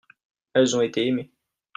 elles ont été aimé.